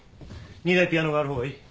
２台ピアノがあるほうがいい。